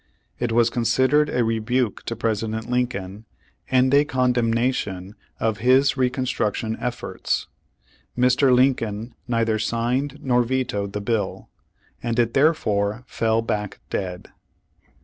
It was considered a re buke to President Lincoln, and a condemnation of his reconstruction efforts. Mr. Lincoln neither signed nor vetoed the bill, and it therefore fell back dead.